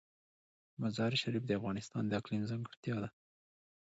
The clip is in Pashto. مزارشریف د افغانستان د اقلیم ځانګړتیا ده.